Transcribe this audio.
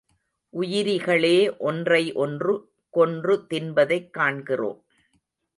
உயிரிகளே ஒன்றை ஒன்று கொன்று தின்பதைக் காண்கிறோம்.